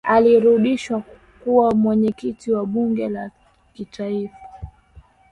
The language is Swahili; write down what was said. alirudishwa kuwa mwenyekiti wa bunge la kitaifa